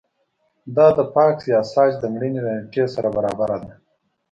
دا د یاکس یاساج د مړینې له نېټې سره برابره ده